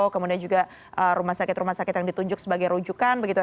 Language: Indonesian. kemudian juga rumah sakit rumah sakit yang ditunjuk sebagai rujukan begitu